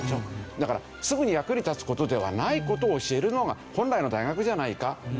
だからすぐに役に立つ事ではない事を教えるのが本来の大学じゃないかっていう事で。